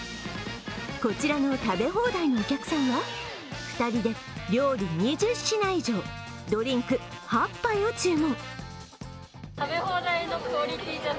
こちらの食べ放題のお客さんは、２人で料理２０品以上、ドリンク８杯を注文。